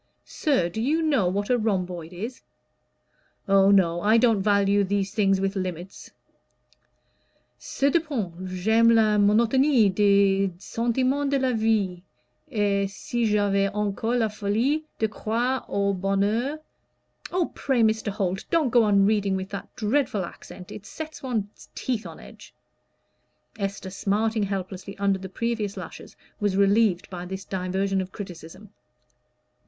Sir, do you know what a rhomboid is? Oh, no, I don't value these things with limits. 'Cependant, j'aime la monotonie des sentimens de la vie, et si j'avais encore la folie de croire au bonheur '" "Oh, pray, Mr. Holt, don't go on reading with that dreadful accent; it sets one's teeth on edge." Esther, smarting helplessly under the previous lashes, was relieved by this diversion of criticism.